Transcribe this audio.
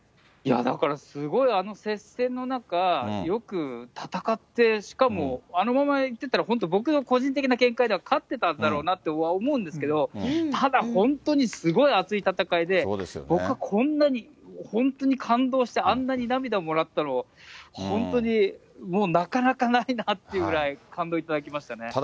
いや、だから、すごいあの接戦の中、よく戦って、しかも、あのままいってたら、本当、僕の個人的な見解では勝ってたんだろうなとは思うんですけど、ただ本当にすごい熱い戦いで、僕、こんなに、本当に感動して、あんなに涙もらったの、本当に、もうなかなかないなっていうぐらい、感動を頂きましたね。